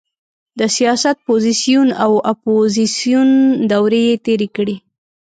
د سیاست پوزیسیون او اپوزیسیون دورې یې تېرې کړې.